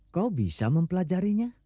kau bisa mempelajarinya